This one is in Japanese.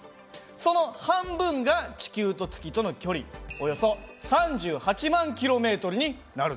その半分が地球と月との距離およそ３８万ｋｍになるんですね。